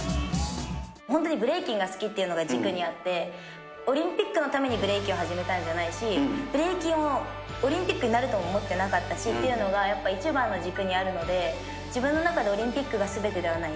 本当にブレイキンが好きっていうのが軸にあって、オリンピックのためにブレイキンを始めたんじゃないし、ブレイキンを、オリンピックになるとも思ってなかったしっていうのが、一番の軸にあるので、自分の中でオリンピックがすべてではない。